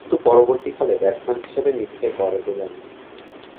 কিন্তু পরবর্তীকালে ব্যাটসম্যান হিসেবে নিজেকে গড়ে তোলেন।